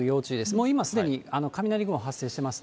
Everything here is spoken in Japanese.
もう今すでに雷雲発生しています